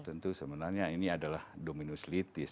tentu sebenarnya ini adalah dominos litis